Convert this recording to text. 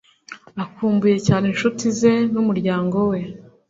Akumbuye cyane inshuti ze n’umuryango we